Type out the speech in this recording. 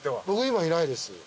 僕今いないです。